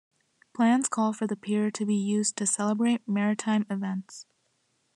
Plans call for the pier to be used to celebrate maritime events.